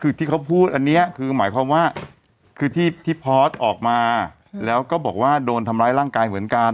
คือที่เขาพูดอันนี้คือหมายความว่าคือที่พอสออกมาแล้วก็บอกว่าโดนทำร้ายร่างกายเหมือนกัน